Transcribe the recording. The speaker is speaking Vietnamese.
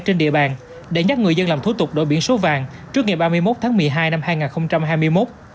trên địa bàn để nhắc người dân làm thủ tục đổi biển số vàng trước ngày ba mươi một tháng một mươi hai năm hai nghìn hai mươi một